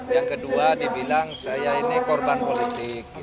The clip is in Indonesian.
yang kedua dibilang saya ini korban politik